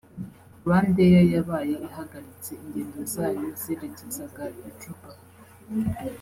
RwandAir yabaye ihagaritse ingendo zayo zerekezaga i Juba